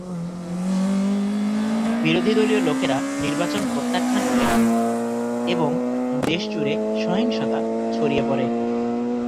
বিরোধী দলীয় লোকেরা নির্বাচন প্রত্যাখ্যান করে এবং দেশজুড়ে সহিংসতা ছড়িয়ে পড়ে।